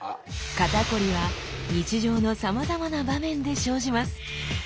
肩こりは日常のさまざまな場面で生じます。